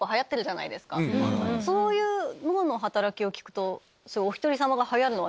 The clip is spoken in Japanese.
そういう脳の働きを聞くと。